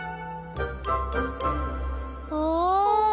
お。